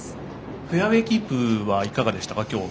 フェアウェーキープはいかがでしたか、今日。